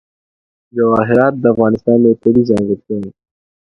جواهرات د افغانستان یوه طبیعي ځانګړتیا ده.